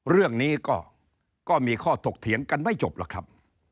เรื่องนี้ก็มีข้อถกเถียงกันไม่จบหรอกครับ